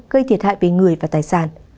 gây thiệt hại về người và tài sản